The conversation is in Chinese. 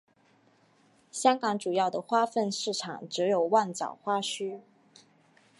香港主要的花卉市场则有旺角花墟。